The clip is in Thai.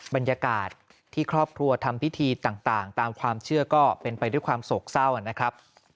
บรรยากาศที่ครอบครัวทำพิธีต่างตามความเชื่อก็เป็นไปด้วยความโศกเศร้านะครับ